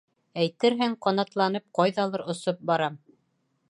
Әйтерһең, ҡанатланып ҡайҙалыр осоп барам.